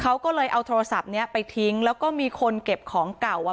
เขาก็เลยเอาโทรศัพท์เนี้ยไปทิ้งแล้วก็มีคนเก็บของเก่าอ่ะ